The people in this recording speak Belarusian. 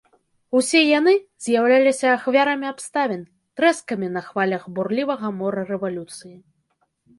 Усе яны з'яўляліся ахвярамі абставін, трэскамі на хвалях бурлівага мора рэвалюцыі.